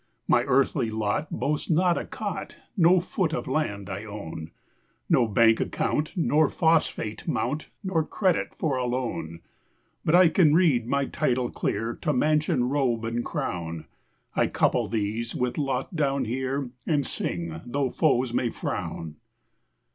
My earthly lot boasts not a cot, No foot of land I own, No bank account nor phosphate mount, Nor credit for a loan; But I can read my title clear To mansion, robe, and crown; I couple these with lot down here, And sing, tho' foes may frown.